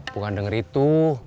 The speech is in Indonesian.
bukan denger itu